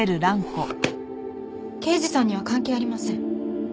刑事さんには関係ありません。